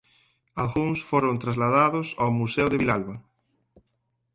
Algúns foron trasladados o museo de Vilalba.